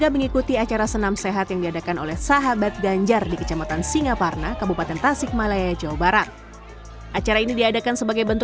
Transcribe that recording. kegiatan senam asal ini berlangsung di kecamatan singaparna kabupaten tasik malaya jawa barat